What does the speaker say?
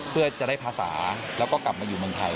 เพื่อจะได้ภาษาแล้วก็กลับมาอยู่เมืองไทย